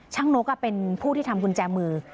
นกเป็นผู้ที่ทำกุญแจมือ